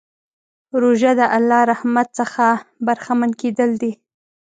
روژه د الله له رحمت څخه برخمن کېدل دي.